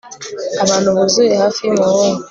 abantu buzuye hafi y'umuhungu